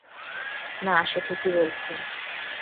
না, সে ঠিকই বলছে।